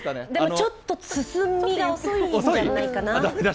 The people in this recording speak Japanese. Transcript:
ちょっと進みが遅いんじゃないかな？